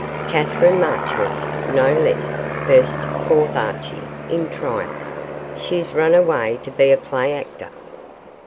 'Katherine Marchurst, no less,' burst forth Archie, in triumph; 'she's rin awa' to be a play actor.